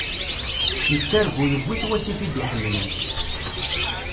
Yettargu yuwi-t wasif i d-iḥemlen.